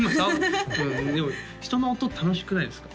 でも人の音楽しくないですか？